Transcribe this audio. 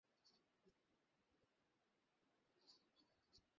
কবে নাগাদ পৌঁছাতে পারবেন সেখানে, নির্দিষ্ট করে এখনো বলা যাচ্ছে না।